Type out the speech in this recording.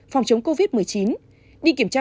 phòng chống covid một mươi chín đi kiểm tra